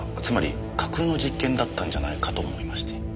つまり架空の実験だったんじゃないかと思いまして。